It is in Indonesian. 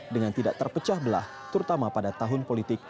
dengan tidak terpecah belah terutama pada tahun politik